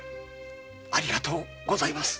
ありがとうございます。